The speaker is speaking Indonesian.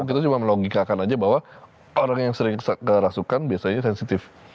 kita cuma melogikakan aja bahwa orang yang sering kerasukan biasanya sensitif